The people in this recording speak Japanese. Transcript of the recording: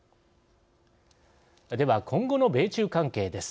では今後の米中関係です。